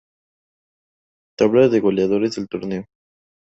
Tabla de goleadores del torneo.